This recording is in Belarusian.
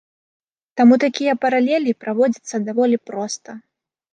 Таму такія паралелі праводзяцца даволі проста.